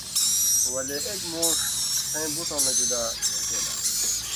ولے اېک مُوݜ سیں بٹؤں نہ جُدا بھېٹېل آن٘س۔